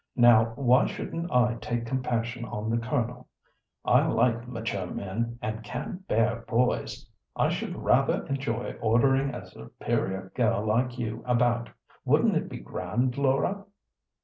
Now, why shouldn't I take compassion on the Colonel? I like mature men, and can't bear boys. I should rather enjoy ordering a superior girl like you about. Wouldn't it be grand, Laura?"